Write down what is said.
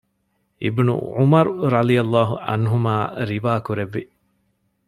އިބްނު ޢުމަރު ރަޟިއަ ﷲ ޢަންހުމާ ރިވާ ކުރެއްވި